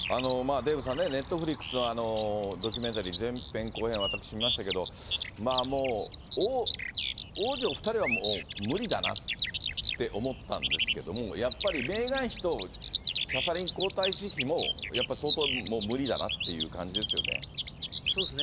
デーブさんね、ネットフリックスのあのドキュメンタリー前編、後編私、見ましたけど、もう、王子２人は無理だなって思ったんですけども、やっぱりメーガン妃とキャサリン皇太子妃も、やっぱり相当、無理そうですね。